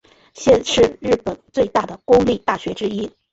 现是日本最大的公立大学之一。